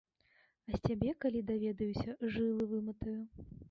А з цябе, калі даведаюся, жылы выматаю.